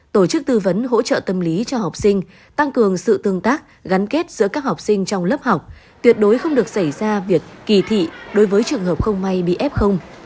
tổ chức tư vấn hỗ trợ tâm lý cho học sinh tăng cường sự tương tác gắn kết giữa các học sinh trong lớp học tuyệt đối không được xảy ra việc kỳ thị đối với trường hợp không may bị f